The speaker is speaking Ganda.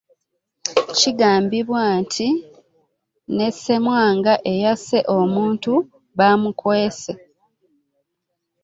Kigambibwa nti ne Ssemwanga eyasse omuntu bamukwese.